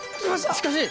しかし！